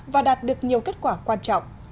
và đạt được nhiều kết quả quan trọng